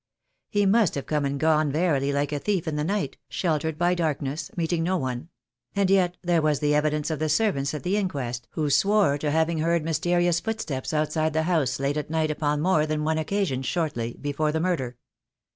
He must have come and gone verily like a thief in the night, sheltered by darkness, meeting no one; and yet there was the evidence of the servants at the inquest, who swore to having heard mysterious footsteps outside the house late at night upon more than one occasion shortly before the murder.